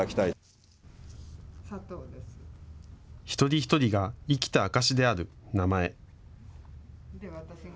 一人一人が生きた証しである名前。